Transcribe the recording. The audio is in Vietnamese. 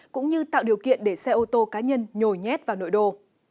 cũng như tạo điều kiện để xe ô tô cá nhân nhồi nhét vào nội đô